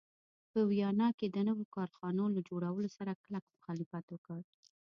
په ویانا کې د نویو کارخانو له جوړولو سره کلک مخالفت وکړ.